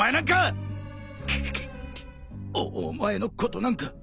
くっお前のことなんか。